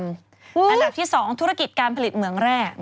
อันดับที่๒ธุรกิจการผลิตเหมืองแร่